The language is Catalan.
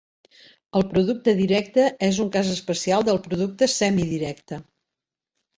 El producte directe és un cas especial del producte semidirecte.